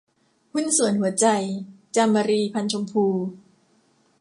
หุ้นส่วนหัวใจ - จามรี พรรณชมพู